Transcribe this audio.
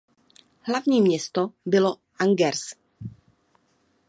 Hlavní město bylo Angers.